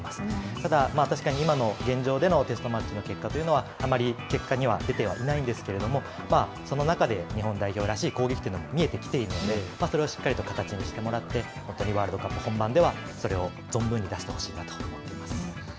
ただ現場でのテストマッチの結果というのはあまり結果には出ていないんですが、その中で日本代表らしいところが見えてきているものでそれをしっかり形にしてもらってワールドカップではそれを存分に出してほしいなと思います。